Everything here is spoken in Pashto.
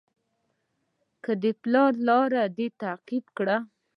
که د پلار لاره دې تعقیب کړه.